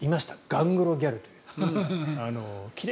ガングロギャルという。